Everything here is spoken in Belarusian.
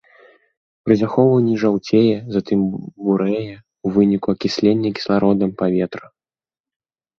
Пры захоўванні жаўцее, затым бурэе ў выніку акіслення кіслародам паветра.